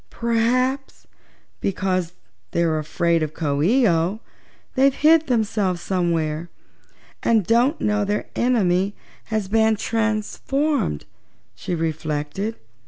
"P'raps, because they were afraid of Coo ee oh, they've hid themselves somewhere, and don't know their enemy has been transformed," she reflected.